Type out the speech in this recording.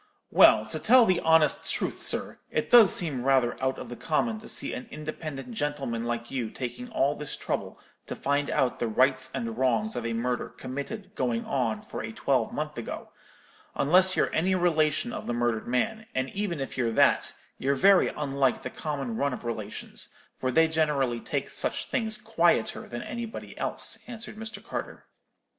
"'Well, to tell the honest truth, sir, it does seem rather out of the common to see an independent gentleman like you taking all this trouble to find out the rights and wrongs of a murder committed going on for a twelvemonth ago: unless you're any relation of the murdered man: and even if you're that, you're very unlike the common run of relations, for they generally take such things quieter than anybody else,' answered Mr. Carter.